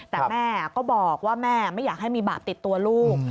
แต่แม่ก็บอกว่าแม่ไม่อยากให้มีบาปติดตัวลูก